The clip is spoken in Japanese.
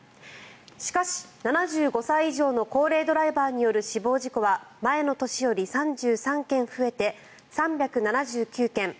しかし７５歳以上の高齢ドライバーによる死亡事故は前の年より３３件増えて３７９件。